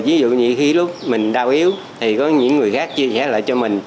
ví dụ như khi lúc mình đau yếu thì có những người khác chia sẻ lại cho mình